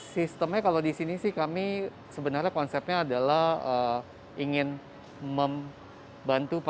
sistemnya kalau di sini sih kami sebenarnya konsepnya adalah ingin membantu